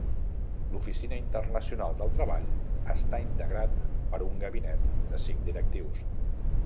L'Oficina Internacional del Treball està integrat per un gabinet de cinc directius.